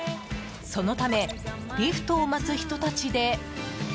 そのためリフトを待つ人たちで。